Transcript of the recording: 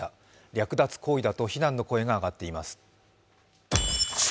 略奪行為だと非難の声が上がっています。